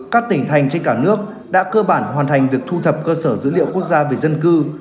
các tỉnh thành trên cả nước đã cơ bản hoàn thành việc thu thập cơ sở dữ liệu quốc gia về dân cư